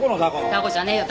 タコじゃねえよ